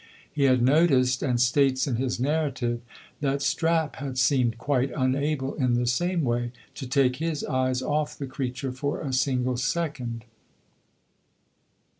He had noticed, and states in his narrative, that Strap had seemed quite unable, in the same way, to take his eyes off the creature for a single second.